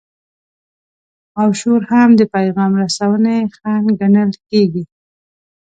او شور هم د پیغام رسونې خنډ ګڼل کیږي.